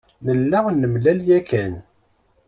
Nella nemlal yakan.